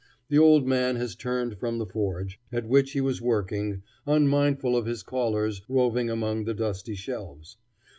The old man has turned from the forge, at which he was working, unmindful of his callers roving among the dusty shelves.